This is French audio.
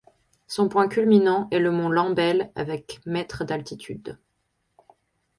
Son point culminant est le mont Lambel avec mètres d'altitude.